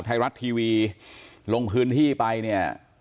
ไทยรัติทีวีลงพื้นที่ไป